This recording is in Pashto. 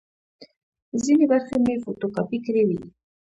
ځینې برخې مې فوټو کاپي کړې وې.